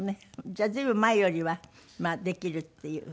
じゃあ随分前よりはできるっていう。